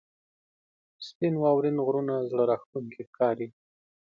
• سپین واورین غرونه زړه راښکونکي ښکاري.